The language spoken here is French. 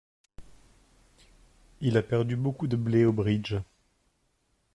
Il a perdu beaucoup de blé au bridge.